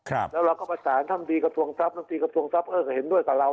แล้วเราก็ประสานท่านดีกระทรวงทรัพยำตีกระทรวงทรัพย์เอ่อก็เห็นด้วยกับเรา